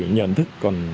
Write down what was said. nhận thức còn